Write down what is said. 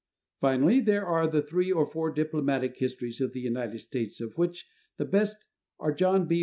Finally, there are the three or four diplomatic histories of the United States of which the best are John B.